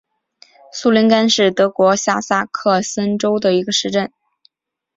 苏林根是德国下萨克森州的一个市镇。